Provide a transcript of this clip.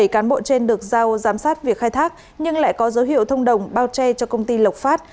bảy cán bộ trên được giao giám sát việc khai thác nhưng lại có dấu hiệu thông đồng bao che cho công ty lộc phát